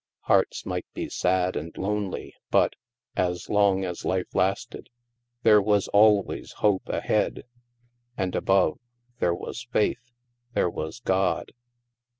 Hearts might be sad and lonely but, as long as life lasted, there was always hope ahead. And above, there was faith — there was God.